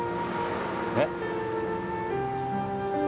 えっ？